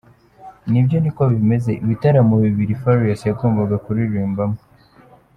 Nibyo niko bimeze ni ibitaramo bibiri Farious yagombaga kuririmbamo.